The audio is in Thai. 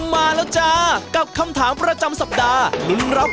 ที่๒๒กรกฎาคมนี้นะจ๊ะห้าง